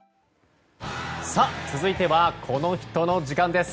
続いてはこの人の時間です。